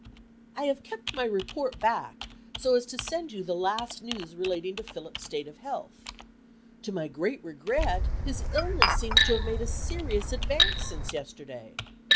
I have kept my report back, so as to send you the last news relating to Philip's state of health. To my great regret, his illness seems to have made a serious advance since yesterday.